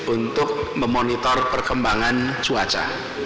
untuk memonitor perkembangan cuaca